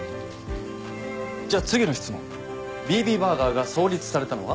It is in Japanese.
じゃあ次の質問ＢＢバーガーが創立されたのは？